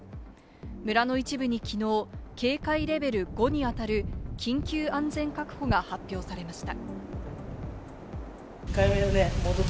村の一部にきのう、警戒レベル５にあたる緊急安全確保が発表されました。